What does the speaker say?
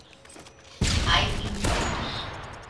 Hai informes.